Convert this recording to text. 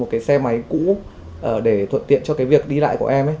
một cái xe máy cũ để thuận tiện cho cái việc đi lại của em ấy